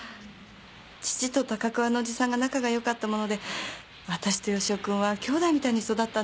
父と高桑のおじさんが仲が良かったものでわたしと義男君はきょうだいみたいに育ったんです。